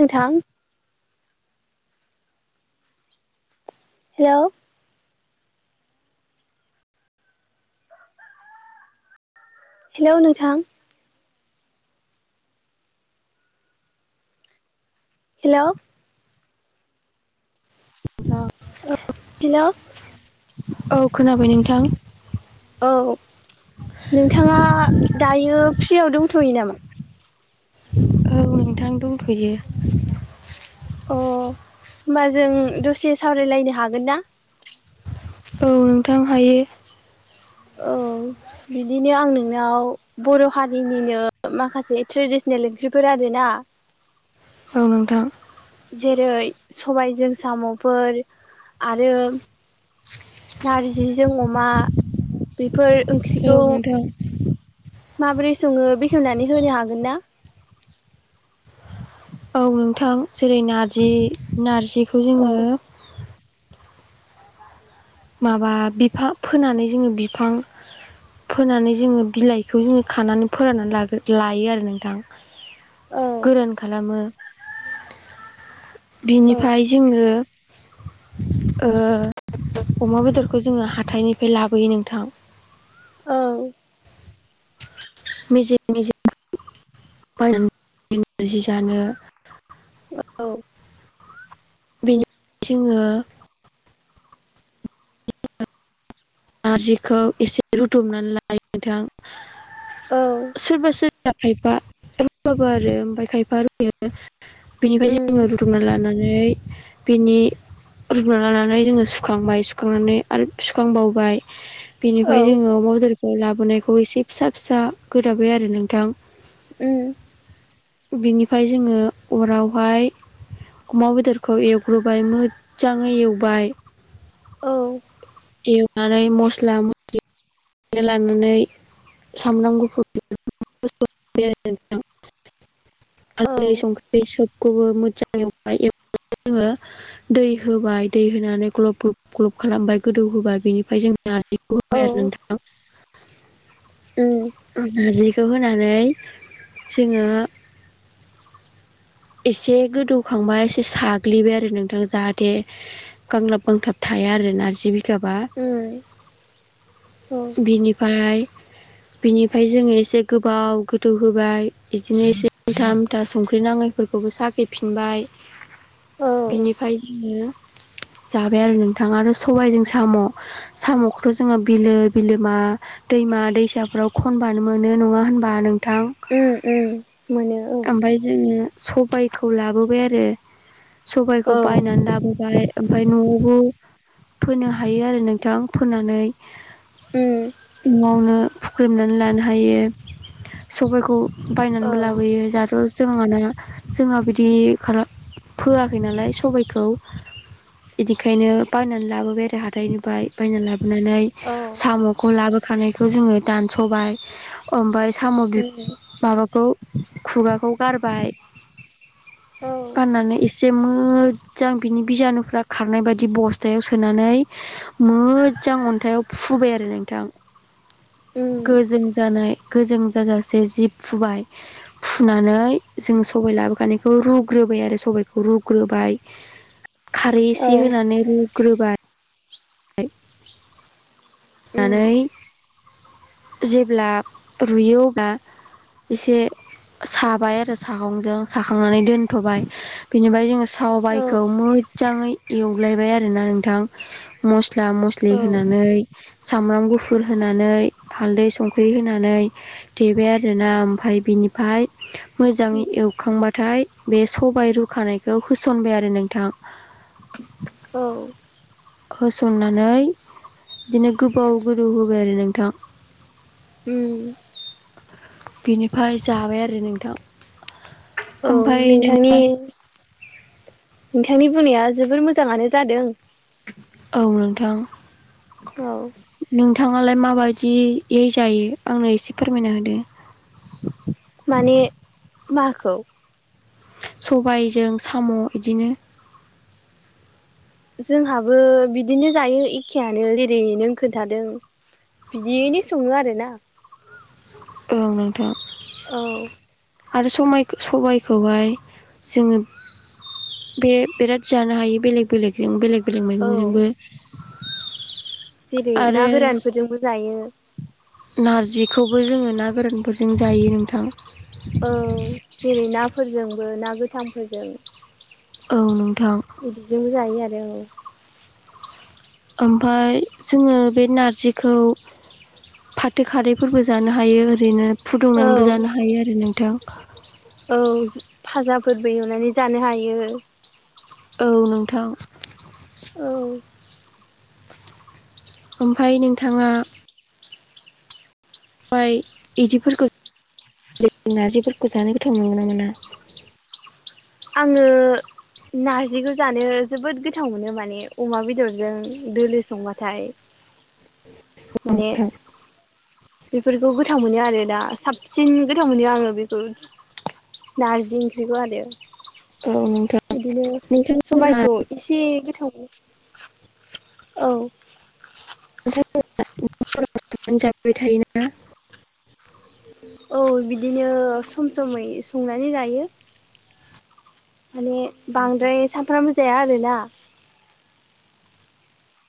नोंथां hello hello नोंथां hello नं हेलौ खोनाबाय नोंथां औ नोंथाङा दायो फ्रियाव दंथ'यो नामा औ नोंथां दंथ'यो अ होमबा जों दसे सावरायलायनो हागोन ना औ नोंथां हायो औ बिदिनो आं नोंनाव बर' हारिनिनो माखासे ट्रेडिसनेल ओंख्रिफोर आरोना [inaudible] औ नोंथां जेरै सबायजों साम'फोर आरो नारजिजों अमा बेफोर ओंख्रिखौ नोंथां औ माबोरै सङो बेखेवनानै होनो हागोन ना औ नोंथां जेरै नारजि नारजिखौ औ जोङो माबा बिफां फोनानै जोङो बिफां फोनानै जोङो बिलाइखौ जोङो खानानै फोराननानै लागो लायो आरो नोंथां औ गोरान खालामो औ बिनिफाय जोङो ओ अमा बेदरखौ जोङो हाथाइनिफिय लाबोयो नोंथां औ मेजे मेजेम बायनानै नारजि जानो औ बेनि जोङो नारजिखौ एसे रुदमनानै लायो नोंथां। औ। सोरबा सोरबा खायफा रुयोबो आरो ओमफ्राय खायफा बेनिफ्रायो जोङो उम रुदबना लानानै नै बिनि रुबावना लानानै जोङो सुखांबाय सुखांनानै आरो सुखांबाव बाय। औ बिनिफ्राय जोङो अमा बेदर लाबोनायखौ एसे फिसा फिसा गोदाबाय आरो नोंथां। उम। बिनिफ्राय जोङो अरावहाय अमा बेदरखौ एवग्रोबाय मोजाङै एवबाय। औ। नानै मस्ला लानानै सामब्राम गुफुर [unintelligible] औ हालदै संख्रि सबखौबो मोजां एवबाय, एवनानै जोङो दै होबाय दै होनानै ग्लब ग्लब ग्लब खालामबाय, गोदौ होबाय बेनिफ्राय जों नारजिखौ औ होबाय आरो नोंथां। उम नारजिखौ होनानै जोङो एसे गोदौखांबा एसे साग्लिबाय आरो नोंथां जाहाथे गांलाब गांथाब थाया आरो नारजि बिगाबा उम औ। बिनिफाय बिनिफ्राय जोङो एसे गोबाव गोदौ होबाय बिदिनो एसे आमथा आमथा संख्रि नाङै फोरखौबो साखैफिनबाय। औ बिनिफ्राय जोङो जाबाय आरो नोंथा आरो सबायजों साम' साम'खौथ' जोङो बिलो बिलोमा दैमा दैसाफोराव खनबानो मोनो नङा होनबा नों थां। उम उम मोनो ओमफाय जोङो सबायखौ लाबोबाय आरो सबायखौ औ बायनानै लाबोबाय। ओमफफ्राय न'आवबो फोनो हायो आरो नोंथां। फोननानै उम न'आवनो फुख्रेमनानै लानो हायो। सबायखौ औ बायनानैबो लाबोयो। दाथ' जोङाना जोंहा बिदि खालाम फोआखै नालाय सबायखौ। बिनिखायनो बायनानै लाबोबाय आरो हाथायनिफाय। बायनानै लाबोनानै औ उम औ साम'खौ लाबोखानायखौ जोङो दानस'बाय। ओमफाय साम' माबाखौ खुगाखौ गारबाय गाननानै एसे मोजां बिनि बिजानुफ्रा खारनाय बायदि बस्थायाव सोनानै मोजां अन्थाइयाव फुबाय आरो नोंथां। उम औ उम गोजों जानाय गोजों जाजासे जि फुबाय। फुनानै जों सबाय लाबोखानायखौ रुग्रोबाय आरो सबायखौ रुग्रोबाय। खारै औ एसे औ औ होनानै रुग्रोबाय उम होनानै जेब्ला रुयो अब्ला एसे साबाय आरो सागंजों साखांनानै दोन्थ'बाय। बेनिफ्राय जोङो औ सबायखौ मोजाङै एवगलायबाय आरोना नोंथां। मस्ला मस्लि होनानै सामब्राम गुफुर होनानै हालदै संख्रि होनानै देबाय आरोना। ओमफाय बिनिफाय मोजाङै एवखांबाथाय बे सबाय रुखानायखौ होसनबाय आरो नोंथां। औ। होसननानै बिदिनो गोबाव गोदौ होबाय आरो नोंथां। उम। बिनिफ्राय जाबाय आरो नोंथां। औ ओमफ्राय नों नोंथांनि। नोंथांनि बुंनाया जोबोर मोजाङानो जादों। औ नोंथां। औ नोंथाङालाय माबायदियै जायो आंनो एसे फोरमायना होदो। माने माखौ। सबायजों साम' बिदिनो। जोंहाबो बिदिनो जायो एखेयानो जेरैैनो खोन्थादों। बिदियैनो सङो आरोना। औ नोंथां। औ आरो समाय सबायखौहाय जोङो। बे बिराद जानो हायो बेलेग बेलेगजों बेलेग बेलेग औ मैगंजोंबो। जेरै ना आरो गोरानफोरजोंबो जायो। नारजिखौबो जोङो ना गोरानफोरजों जायो नोंथां। औ जेरै नाफोरजोंबो ना गोथांफोरजों। औ नोंथां। बिदिजोंनो जायो आरो औ। ओमफफ्राय जोङो बे नारजिखौ। फाथो खारैफोरबो जानो हायो ओरैनो औ फुदुंनानैबो जानो हायो आरो नोंथां। औ फाजाफोरबो एवनानै जानो हायो। औ नोंथां। औ ओमफ्राय नोंथाङा। ओमफ्राय बिदिफोरखौ नार्जिफोरखौ जानो गोथाव मोनगोन ना मोना। आङो। नारजिखौ जानो जोबोद गोथाव मोनो माने अमा बेदरजों दोलो संबाथाय। माने मोना बेफोरखौ गोथाव मोनो आरो दा साब। सिन गोथाव मोनो आङो बेखौ नारजि ओंख्रिखौ आरो। औ नोंथां। बिदिनो नोंथांमोनहा सबायखौ एसे गोथाव। औ नोंथांमोना [unintelligible] जाबाय थायोना औ बिदिनो सम समै संनानै जायो। माने बांद्राय सानफ्रामबो जाया आरोना।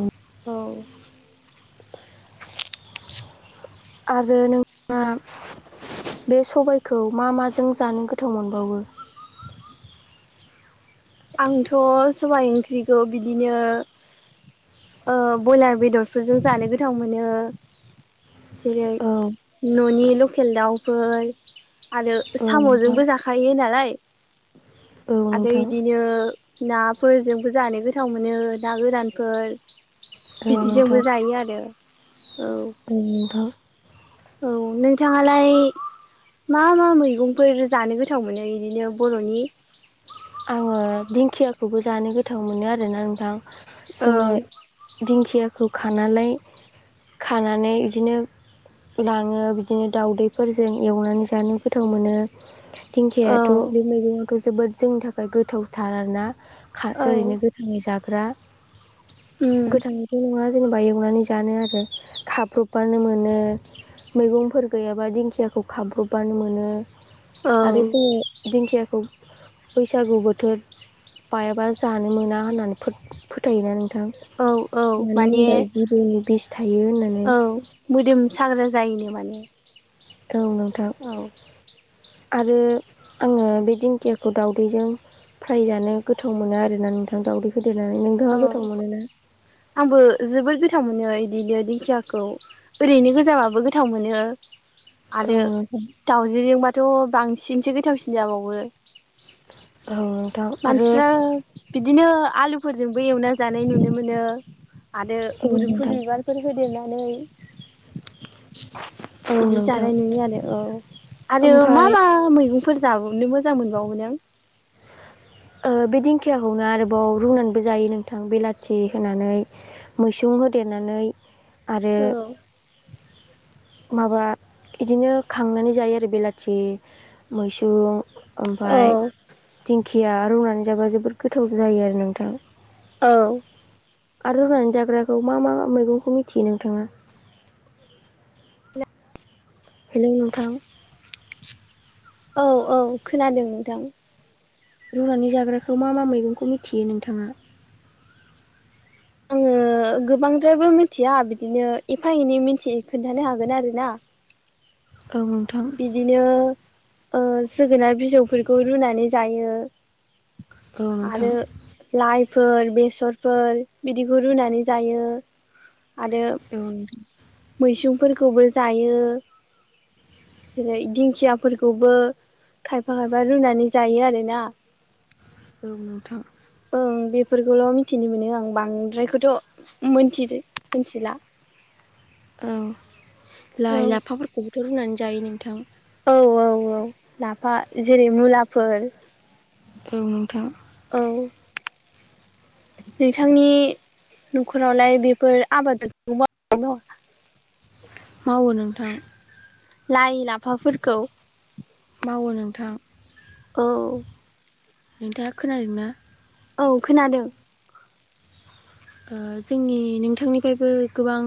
औ। औ आरो नोंथाङा बे सबायखौ मा माजों जानो गोथाव मोनबावो। आंथ' सबाइ ओंख्रिखौ बिदिनो। बयलार बेदरफोरजों जानो गोथाव मोनो। जेरै औ न'नि लकेल दाउफोर। आरो औ नोंथां साम'जोंबो जाखायो नालाय औ आदै। नोंथां नाफोरजोंबो जानो गोथाव मोनो ना गोरानफोर। औ नोंथां बिदिजोंबो जायो आरो औ। उम नोंथां। औ नोंथाङालाय। मा मा मैगंफोर जानो गोथाव मोनो बिदिनो बर'नि। आङो दिंखियाखौबो जानो गोथाव मोनो आरोना नोंथां जोङो। औ दिंखियाखौ खानालाय खानानै इदिनो। लाङो बिदिनो दाउदैफोरजों एवनानै जानो गोथाव मोनो। औ दिंखिायाथ' बे मैगंआथ' जोबोद जोंनि थाखाय गोथावथार आरोना? ओरैनो गोथाङै जाग्रा उम गो बिदि नङा जेनेबा एवनानै जानो आरो खाब्रबबानो मोनो। मैगंफोर गैयाबा दिंखियाखौ खाबब्र'बबानो मोनो। आरो औ जोङो दिंखियाखौ बैसागु बोथोर बायाबा जानो मोना होननानै फोथायोना? नोंथां औ औ मानो माने होनबा जिबौनि बिस थायो होननानै। औ मोदोम साग्रा जायोनो माने। औ नोंथां। औ आरो आङो बे दिंखियाखौ दावदैजों फ्राय जानो गोथाव मोनो आरोना नोंथां दावदै होफादेरनानै नोंथाङा गोथाव औ मोनोना? आंबो जोबोद गोथाव मोनो बिदिनो दिंखियाखौ। ओरैनो गोजाबाबो गोथाव मोनो। औ आरो नोंथां दउजिलिंबाथ' बांसिनसो गोथावसिन जाबावो। औ नोंथां आरो मानसिफ्रा बिदिनो आलुफोरजोंबो एवना जानाय नुनो मोनो। आरो औ मुदुमफुल नोंथां बिबारफोर होदेरनानै। औ बिदि नोंथां जानाय नुयो आरो औ आरो मा ओमफाय मा मैगं फोरजाबनो मोजां मोनबावोनों? ओ बे दिंखियाखौनो आरोबाव रुनानबो जायो नोंथां बेलाथि होनानै। मैसुं होदेरनानै आरो औ माबा इदिनो खांनानै जायो आरो बेलाथि मैसुं ओमफाय औ आ रुनानै जाबा जोबोद गोथाव जायो आरो नोंथां। औ आरो रुनानै जाग्राखौ मा मा मैगंखौ मिथियो नोंथाङा? हेलौ नोंथां? औ औ खोनादों नोंथां। रुनानै जाग्राखो मा मा मैगंखौ मिथियो नोंथाङा? ओ गोबांद्रायबो मिथिया बिदिनो एफा एनै मिथियो खोन्थानो हागोन आरोना। ओं बिदिनो ओ जोगोनार बिजौफोरखौ रुनानै जायो। औ नोंथां आरो लाइफोर बेसरफोर बिदिखौ रुनानै जायो आरो औ मैसुंफोरखौबो जायो। जेरै दिंखियाफोरखौबो खायफा खायफा रुनानै जायो आरोना। [inaudible] औ नोंथां। ओं बेफोरखौल' मिथिनो मोनो आं बांद्रायखौथ' मोनथिदो मिथिला। औ लाइ औ लाफाफोरखौबोथ' रुनानै जायो नोंथां। औ औ औ लाफा जेरै मुलाफोर। औ नोंथां। औ नोंथांनि न'खरावलाय बेफोर आबादखौ [unintelligible] मावोना मावा? मावो नोंथां लाइ लाफाफोरखौ मावो नोंथां। औ नोंथाङा खोनादों ना? औ खोनादों। ओ जोंनि नोंथांनिफ्रायबो गोबां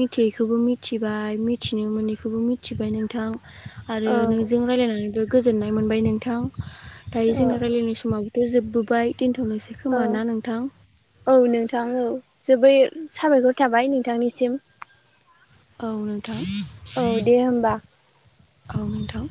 मिथियैखौबो मिथिबाय मिथिनो मोनैखौबो मिथिबाय नोंथां। आरो औ नोंजों रायलायनानैबो गोजोननाय मोनबाय नोंथां दायो औ जोंनो रायलायनाय समा बो जोबबोबाय दोनथ'नोसै औ खोमा ना नोंथां? औ नोंथां औ जोबोर साबायखर थाबाय नोंथांनिसिम। औ नोंथां औ दे होमबा औ नोंथां।